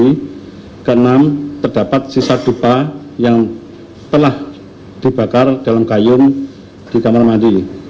yang keenam terdapat sisa dupa yang telah dibakar dalam kayun di kamar mandi